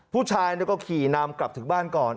ผู้ชายก็ขี่นำกลับถึงบ้านก่อน